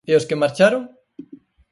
E os que marcharon?